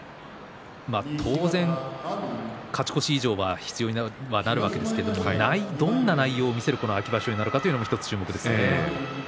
当然、勝ち越し以上は必要にはなるわけですけれどもどんな内容を見せる秋場所になるか注目ですね。